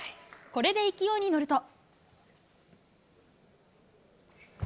これで勢いに乗ると。